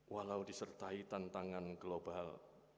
walau disertai tantangan global